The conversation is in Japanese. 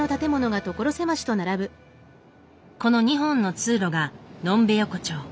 この２本の通路が呑んべ横丁。